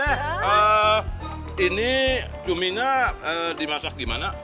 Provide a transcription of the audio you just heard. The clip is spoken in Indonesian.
teteh ini cuminya dimasak di mana